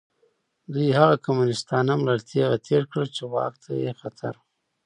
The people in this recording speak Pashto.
دوی هغه کمونېستان هم له تېغه تېر کړل چې واک ته یې خطر و.